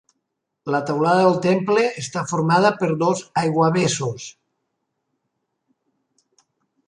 La teulada del temple està formada per dos aiguavessos.